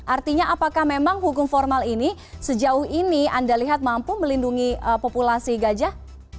artinya apakah memang hukum formal ini sejauh ini anda lihat mampu melindungi populasi gajah